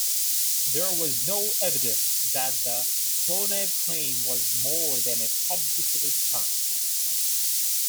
There was no evidence that the Clonaid claim was more than a publicity stunt.